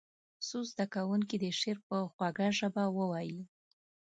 څو زده کوونکي دې شعر په خوږه ژبه ووایي.